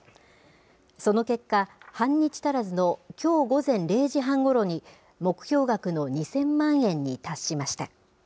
その結果、半日足らずのきょう午前０時半ごろに、目標額の２０００万円に達しました。